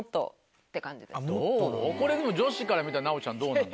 これでも女子から見たら奈央ちゃんどうなの？